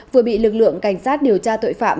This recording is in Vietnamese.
vừa bị lực lượng cảnh sát điều tra tội phạm